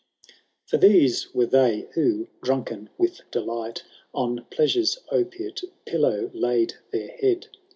For these were they who, drunken with delight, On pleasured opiate pillow laid their head.